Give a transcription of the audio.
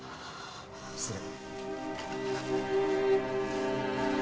失礼。